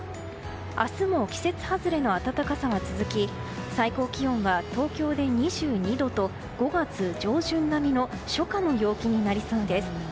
明日も季節外れの暖かさが続き最高気温は東京で２２度と５月上旬並みの初夏の陽気になりそうです。